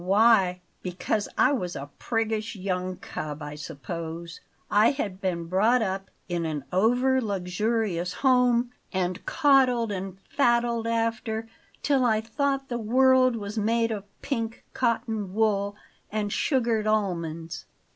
"Why? Because I was a priggish young cub, I suppose. I had been brought up in an over luxurious home, and coddled and faddled after till I thought the world was made of pink cotton wool and sugared almonds.